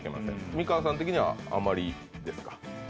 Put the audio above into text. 美川さん的にはあんまりですか？